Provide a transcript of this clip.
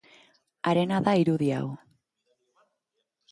Harena da irudi hau.